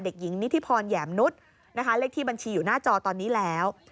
เด็กหญิงนิธิพรแหยมนุษย์นะคะเลขที่บัญชีอยู่หน้าจอตอนนี้แล้ว